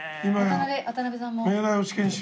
渡辺さんも。